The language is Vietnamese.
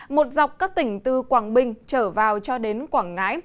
một dọc các tỉnh từ quảng bình trở vào cho đến quảng ngãi